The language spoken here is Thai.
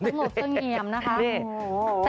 สงบสงเกียมนะคะ